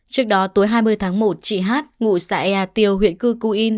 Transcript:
trước đó tối hai mươi tháng một chị hát ngụ xã ea tiều huyện cư cư yên